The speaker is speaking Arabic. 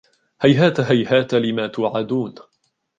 هيهات هيهات لما توعدون